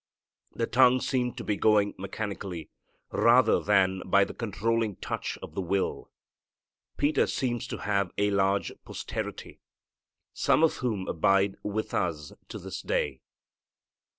The tongue seemed to be going mechanically, rather than by the controlling touch of the will. Peter seems to have a large posterity, some of whom abide with us to this day.